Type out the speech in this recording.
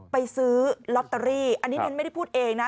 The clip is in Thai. ซื้อลอตเตอรี่อันนี้ฉันไม่ได้พูดเองนะ